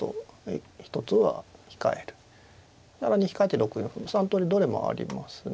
更に控えて６四歩の３通りどれもありますね。